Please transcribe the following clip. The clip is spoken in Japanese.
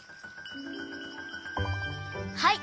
はい。